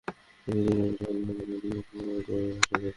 কিন্তু দুই গ্রাম পুলিশ সদস্য সেদিন বিকেলে লাশটি আবার জোয়ারে ভাসিয়ে দেন।